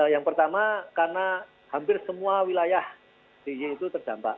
yang pertama karena hampir semua wilayah di y itu terdampak